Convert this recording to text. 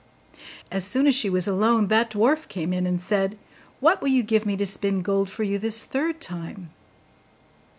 As soon as she was alone that dwarf came in, and said, 'What will you give me to spin gold for you this third time?